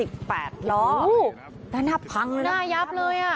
ด้านหน้าพังเลย